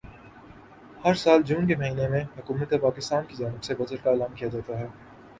ہر سال جون کے مہینے میں حکومت پاکستان کی جانب سے بجٹ کا اعلان کیا جاتا ہے